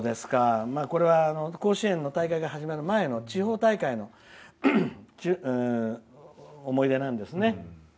甲子園の大会が始まる前の地方大会の思い出なんですね。